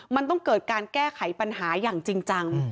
มันต้องเกิดการแก้ไขปัญหาอย่างจริงจัง